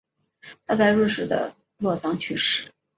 他在瑞士的洛桑去世。